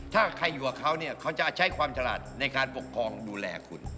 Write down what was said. ถ้าใครอยู่กับเขาเนี่ยเขาจะใช้ความฉลาดในการปกครองดูแลคุณ